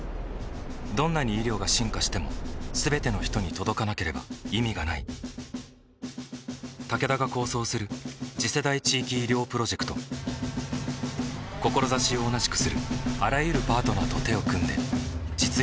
どんなに医療が進化しても全ての人に届かなければ意味がないタケダが構想する次世代地域医療プロジェクト志を同じくするあらゆるパートナーと手を組んで実用化に挑む